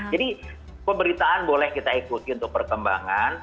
jadi pemberitaan boleh kita ikuti untuk perkembangan